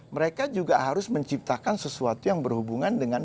mereka juga harus menciptakan sesuatu yang berhubungan dengan